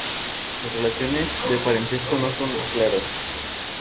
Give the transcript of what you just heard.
Sus relaciones de parentesco no son claras.